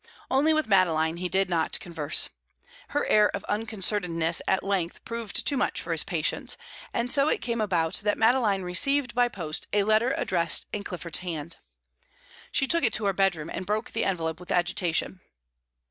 Only with Madeline he did not converse. Her air of unconcernedness at length proved too much for his patience, and so it came about that Madeline received by post a letter addressed in Clifford's hand. She took it to her bedroom, and broke the envelope with agitation.